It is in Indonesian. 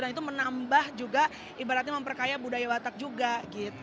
dan itu menambah juga ibaratnya memperkaya budaya batak juga gitu